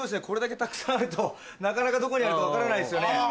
これだけたくさんあるとなかなかどこにあるか分からないですよね。